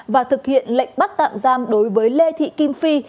và thực hiện lệnh bắt tạm giam đối với lê thị kim phi